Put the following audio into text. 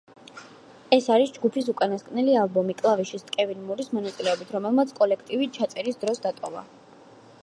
ეს არის ჯგუფის უკანასკნელი ალბომი კლავიშისტ კევინ მურის მონაწილეობით, რომელმაც კოლექტივი ჩაწერის დროს დატოვა.